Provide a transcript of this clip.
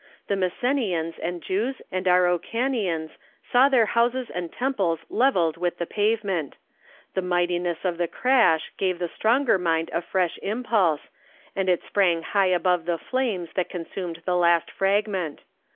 The Messenians and Jews and Araucanians saw their houses and temples levelled with the pavement ; the mightiness of the crash gave the stronger mind a fresh impulse, and it sprang high above the flames that consumed the last fragment.